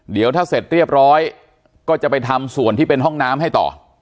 เดี๋ยวถ้าเสร็จเรียบร้อยก็จะไปทำส่วนที่เป็นห้องน้ำให้ต่อ